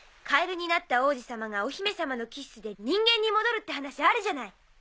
カエルになった王子様がお姫様のキッスで人間に戻るって話あるじゃない。